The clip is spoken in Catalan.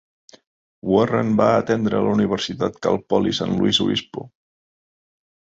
Warren va atendre la Universitat Cal Poly San Luis Obispo.